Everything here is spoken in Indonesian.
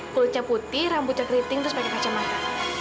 kulitnya putih rambutnya keriting terus pakai kacamata